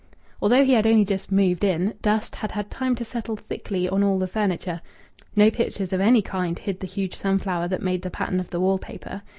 Although he had only just "moved in," dust had had time to settle thickly on all the furniture. No pictures of any kind hid the huge sunflower that made the pattern of the wall paper.